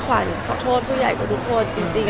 ขวัญขอโทษผู้ใหญ่กว่าทุกคนจริง